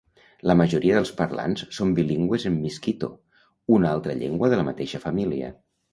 La majoria dels parlants són bilingües en miskito, una altra llengua de la mateixa família.